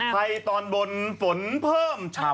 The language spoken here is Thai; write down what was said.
ไทยตอนบนหัวสงฆม